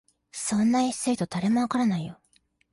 そんな演出意図、誰もわからないよ